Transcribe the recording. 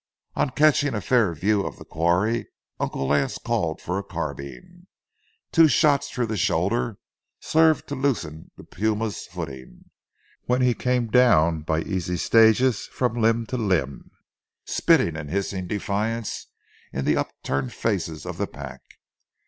On catching a fair view of the quarry, Uncle Lance called for a carbine. Two shots through the shoulders served to loosen the puma's footing, when he came down by easy stages from limb to limb, spitting and hissing defiance into the upturned faces of the pack.